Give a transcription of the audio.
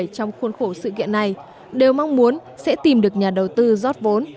trong khuôn khổ sự kiện này đều mong muốn sẽ tìm được nhà đầu tư rót vốn